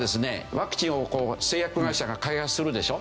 ワクチンをこう製薬会社が開発するでしょ？